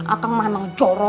akang mah emang jorok